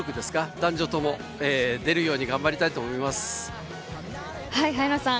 男女ともに出るように早野さん